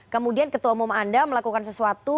kemudian ketua umum anda melakukan sesuatu